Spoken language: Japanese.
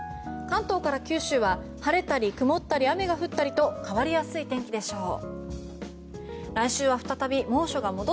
関東から九州は晴れたり曇ったり雨が降ったりと変わりやすい天気でしょう。